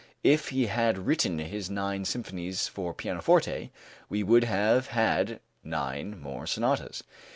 If he had written his nine symphonies for pianoforte, we would have had nine more sonatas.